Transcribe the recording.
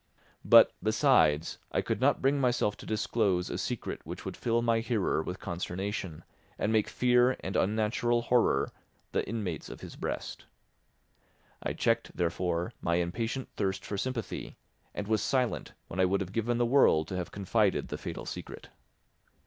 But, besides, I could not bring myself to disclose a secret which would fill my hearer with consternation and make fear and unnatural horror the inmates of his breast. I checked, therefore, my impatient thirst for sympathy and was silent when I would have given the world to have confided the fatal secret.